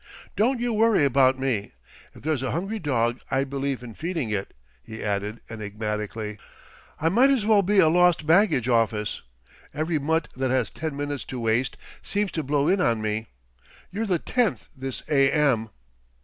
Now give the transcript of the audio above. "Don't you worry about me. If there's a hungry dog I believe in feeding it," he added enigmatically. "I might as well be a lost baggage office. Every mutt that has ten minutes to waste seems to blow in on me. You're the tenth this a.m."